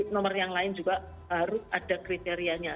nomor yang lain juga harus ada kriterianya